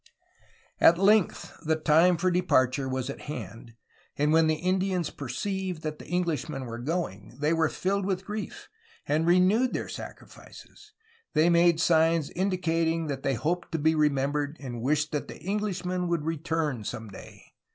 At length, the time for departure was at hand, and when the Indians perceived that the Englishmen were going they were filled with grief, and renewed their sacrifices. They made signs indicating that they hoped to be remembered and wished that the Englishmen would return some day.